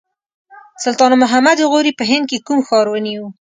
سلطان محمد غوري په هند کې کوم ښار ونیو.